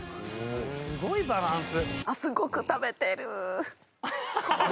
すごいバランス。